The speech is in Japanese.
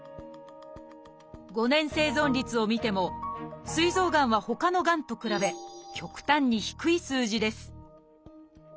５年生存率を見ても「すい臓がん」はほかのがんと比べ極端に低い数字です